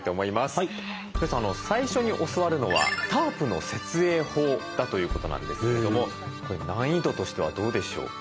最初に教わるのはタープの設営法だということなんですけどもこれ難易度としてはどうでしょう？